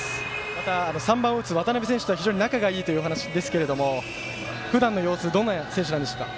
また、３番を打つ渡邉選手とは非常に仲がいいという話ですがどんな選手なんでしょうか？